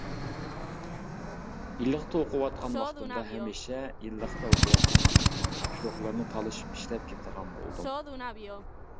-يىللىقتا ئوقۇۋاتقان ۋاقتىمدا، ھەمىشە -يىللىقتا ئوقۇۋاتقان ئاكامنىڭ تاپشۇرۇقلىرىنى تالىشىپ ئىشلەپ كېتىدىغان بولدۇم.